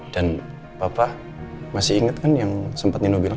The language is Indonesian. dan bapak masih inget kan yang sempet nino bilang